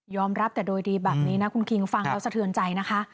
รับแต่โดยดีแบบนี้นะคุณคิงฟังแล้วสะเทือนใจนะคะ